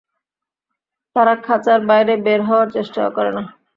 তারা খাঁচার বাইরে বের হওয়ার চেষ্টাও করে না।